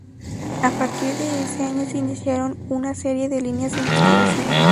A partir de ese año se iniciaron una serie de líneas de investigación.